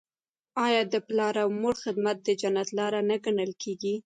آیا د پلار او مور خدمت د جنت لاره نه ګڼل کیږي؟